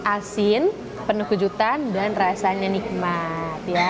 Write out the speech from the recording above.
asin penuh kejutan dan rasanya nikmat ya